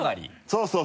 そうそう。